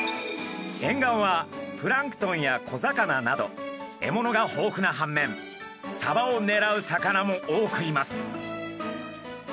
沿岸はプランクトンや小魚など獲物が豊富な反面サバをねらう魚も多くいます。